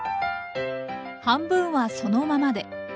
半分はそのままで。